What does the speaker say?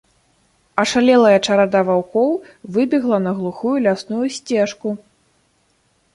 Ашалелая чарада ваўкоў выбегла на глухую лясную сцежку.